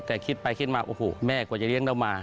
แต่คิดไปคิดมาโอ้โหแม่กว่าจะเลี้ยงเรามา